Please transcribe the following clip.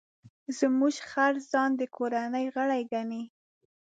زموږ خر ځان د کورنۍ غړی ګڼي.